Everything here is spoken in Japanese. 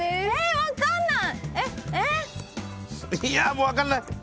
もう分かんない！